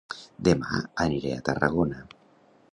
Dema aniré a Tarragona